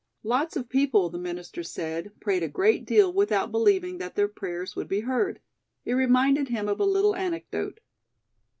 Lots of people, the minister said, prayed a great deal without believing that their prayers would be heard. It reminded him of a little anecdote.